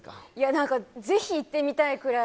なんかぜひ行ってみたいくらい。